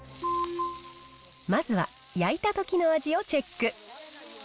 まずは、焼いたときの味をチェック。